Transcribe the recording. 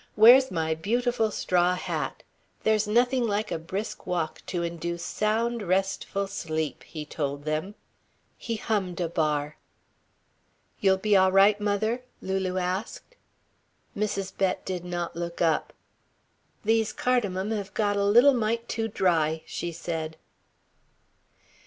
"Where's my beautiful straw hat? There's nothing like a brisk walk to induce sound, restful sleep," he told them. He hummed a bar. "You'll be all right, mother?" Lulu asked. Mrs. Bett did not look up. "These cardamon hev got a little mite too dry," she said.